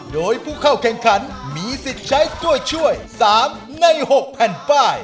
โดยผู้เข้าแข่งขันมีสิทธิ์ใช้ตัวช่วย๓ใน๖แผ่นป้าย